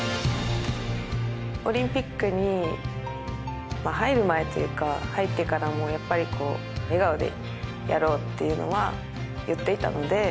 オリンピックに入る前というか入ってからもやっぱり笑顔でやろうっていうのは言っていたので。